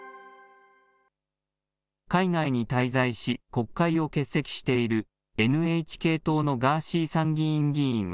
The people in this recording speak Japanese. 海外に滞在し、国会を欠席しているＮＨＫ党のガーシー参議院議員は、